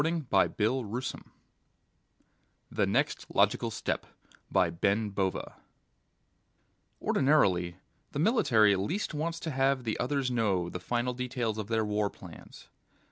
net THE NEXT LOGICAL STEP Ordinarily the military least wants to have the others know the final details of their war plans.